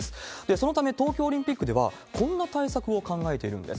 そのため、東京オリンピックでは、こんな対策を考えているんです。